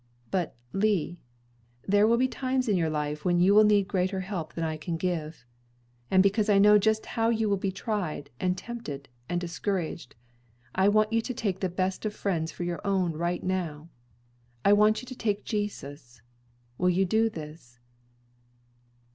"But, Lee, there will be times in your life when you will need greater help than I can give; and because I know just how you will be tried, and tempted, and discouraged, I want you to take the best of friends for your own right now. I want you to take Jesus. Will you do this?"